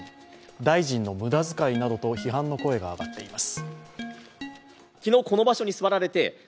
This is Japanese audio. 大臣の無駄遣いなどと批判の声が上がっています。